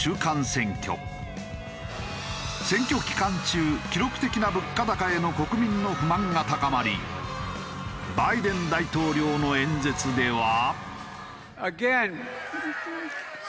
選挙期間中記録的な物価高への国民の不満が高まりバイデン大統領の演説では。